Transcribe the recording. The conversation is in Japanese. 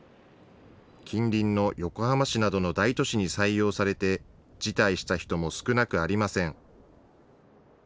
近隣の横浜市などの大都市に採用されて辞退した人も少なくありません。